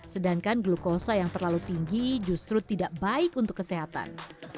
sedangkan glukosa yang terlalu tinggi justru tidak baik untuk kesehatan